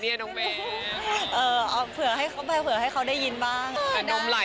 เนี่ยน้องแม่เอออ้อเผื่อให้เขาไปเผื่อให้เขาได้ยินบ้างน้ำไหลมกัน